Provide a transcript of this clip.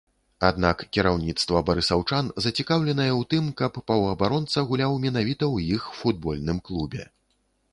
Аднак кіраўніцтва барысаўчан зацікаўленае ў тым, каб паўабаронца гуляў менавіта ў іх футбольным клубе.